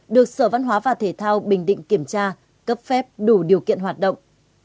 được sở văn hóa và thể thao bình định kiểm tra cấp phép đủ điều kiện hoạt động